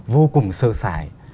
vô cùng sơ xài